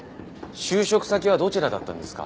就職先はどちらだったんですか？